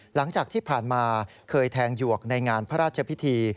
หลังจากที่ผ่านมาเคยแทงหยวกในงานพระราชพิธี